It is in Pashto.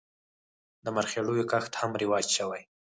د مرخیړیو کښت هم رواج شوی.